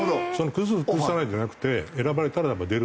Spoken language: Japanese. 崩す崩さないじゃなくて選ばれたら出るっていう。